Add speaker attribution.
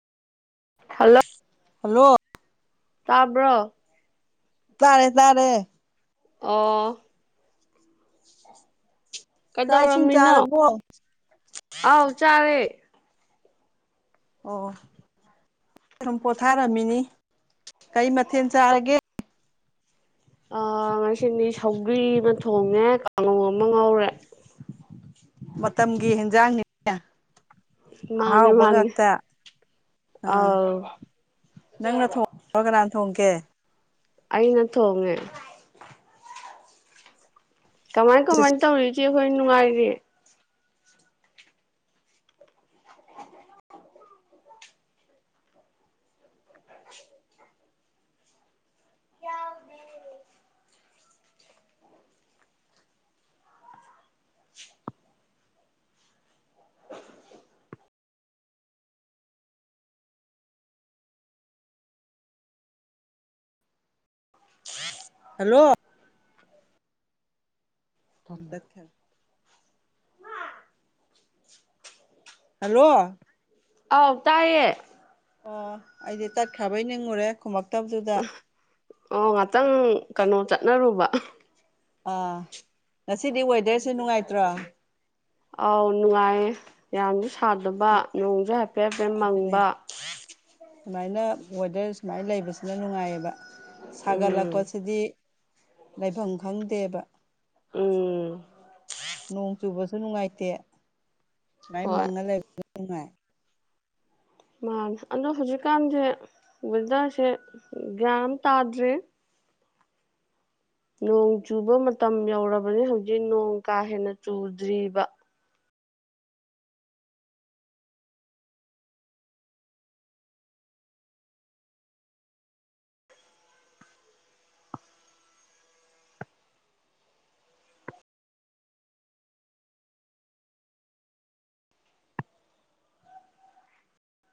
Speaker 1: hello
Speaker 2: hello
Speaker 1: ꯇꯥꯕ꯭ꯔꯣ
Speaker 2: ꯇꯥꯔꯦ ꯇꯥꯔꯦ
Speaker 1: ꯑꯣ
Speaker 2: ꯆꯥꯛ ꯏꯁꯤꯡ
Speaker 1: ꯀꯩꯗꯧꯔꯝꯃꯤꯅꯣ
Speaker 2: ꯆꯥꯔꯕꯣ
Speaker 1: ꯑꯥꯎ ꯆꯥꯔꯦ
Speaker 2: ꯑꯣ ꯁꯨꯝ ꯄꯣꯊꯥꯔꯝꯃꯤꯅꯤ ꯀꯩ ꯃꯊꯦꯜ ꯆꯥꯔꯒꯦ
Speaker 1: ꯑ ꯉꯁꯤꯅꯤ ꯁꯧꯒ꯭ꯔꯤ ꯑꯃ ꯊꯣꯡꯉꯦ ꯀꯥꯡꯉꯧ ꯑꯃ ꯉꯧꯔꯦ
Speaker 2: ꯃꯇꯝꯒꯤ ꯍꯟꯖꯥꯡꯅꯤ ꯍꯥꯥ
Speaker 1: ꯃꯥꯅꯦ ꯃꯥꯅꯦ
Speaker 2: ꯎꯕꯒꯑꯥꯛꯇ ꯑꯥ
Speaker 1: ꯑꯥꯎ
Speaker 2: ꯅꯪꯅ ꯊꯣꯡꯉ꯭ꯔ ꯀꯅꯥꯅ ꯊꯣꯡꯒꯦ
Speaker 1: ꯑꯩꯅ ꯊꯣꯡꯉꯦ ꯀꯃꯥꯏꯅ ꯀꯃꯥꯏꯅ ꯇꯧꯔꯤꯁꯤꯦ ꯍꯣꯏ ꯅꯨꯡꯉꯥꯏꯔꯤꯦ
Speaker 2: ꯍꯜꯂꯣ ꯎ ꯆ ꯈ ꯍꯜꯂꯣ
Speaker 1: ꯑꯥꯎ ꯇꯥꯏꯌꯦ
Speaker 2: ꯑꯣ ꯑꯩꯗꯤ ꯇꯠꯈ꯭ꯔꯕꯩ ꯅꯤꯡꯉꯨꯔꯦ ꯈꯃꯞ
Speaker 1: ꯑ ꯑꯣ ꯉꯥꯛꯇꯪ ꯀꯩꯅꯣ ꯆꯠꯅꯔꯨꯕ
Speaker 2: ꯑꯥ ꯉꯁꯤꯗꯤ ꯋꯦꯗꯔꯁꯨ ꯅꯨꯡꯉꯥꯏꯇ꯭ꯔꯣ
Speaker 1: ꯑꯥꯎ ꯅꯨꯡꯉꯥꯏꯌꯦ ꯌꯥꯝ ꯊꯥꯗꯕ ꯅꯣꯡꯁꯨ ꯍꯥꯏꯐꯦꯠ ꯍꯥꯏꯐꯦꯠ ꯃꯪꯕ
Speaker 2: ꯁꯃꯥꯏꯅ ꯋꯦꯗꯔ ꯁꯨꯃꯥꯏꯅ ꯂꯩꯕꯁꯤꯅ ꯅꯨꯡꯉꯥꯏꯌꯦꯕ
Speaker 1: ꯎꯝ
Speaker 2: ꯁꯥꯒꯠꯂꯛꯄꯁꯤꯗꯤ ꯂꯩꯐꯝ ꯈꯪꯗꯦꯕ
Speaker 1: ꯎꯝ
Speaker 2: ꯅꯣꯡ ꯆꯨꯕꯁꯨ ꯅꯨꯡꯉꯥꯏꯇꯦ ꯁꯨꯃꯥꯏ
Speaker 1: ꯍꯣꯏ
Speaker 2: ꯃꯪꯉ ꯂꯩꯕꯁꯨ ꯅꯨꯡꯉꯥꯏ
Speaker 1: ꯃꯥꯅꯦ ꯑꯗꯣ ꯍꯧꯖꯤꯛꯀꯥꯟꯁꯦ ꯋꯦꯗꯔꯁꯦ ꯒ꯭ꯌꯥꯟ ꯇꯥꯗ꯭ꯔꯤ ꯅꯣꯡ ꯆꯨꯕ ꯃꯇꯝ ꯌꯧꯔꯕꯅꯤ ꯍꯧꯖꯤꯛ ꯅꯣꯡ ꯀꯥ ꯍꯦꯟꯅ ꯆꯨꯗ꯭ꯔꯤꯕ